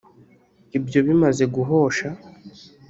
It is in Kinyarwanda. Ibyo bimaze guhosha